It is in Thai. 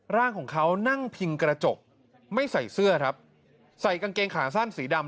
ร่างของเขานั่งพิงกระจกไม่ใส่เสื้อครับใส่กางเกงขาสั้นสีดำ